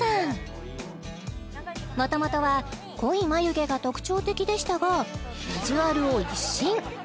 元々は濃い眉毛が特徴的でしたがビジュアルを一新